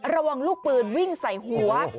ระวังลูกปืนวิ่งใส่หัว